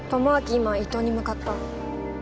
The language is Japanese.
今伊東に向かった。